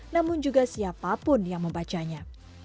namun juga siapapun yang membacanya